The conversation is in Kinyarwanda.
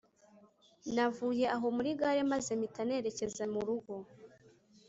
Navuye aho muri gare maze mpita nerekeza murugo